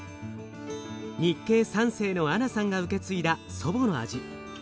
日系三世のアナさんが受け継いだ祖母の味。